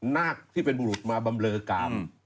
นาคที่เป็นบุรุษมาบำเลอกรรม